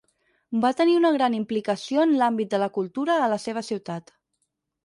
Va tenir una gran implicació en l'àmbit de la cultura a la seva ciutat.